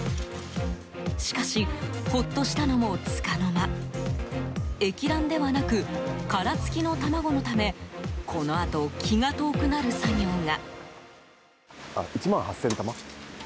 しかしほっとしたのもつかの間液卵ではなく、殻付きの卵のためこのあと気が遠くなる作業が。